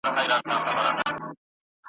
عندلیب یې په ثنا و په صفت